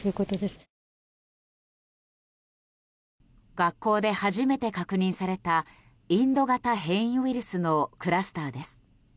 学校で初めて確認されたインド型変異ウイルスのクラスターです。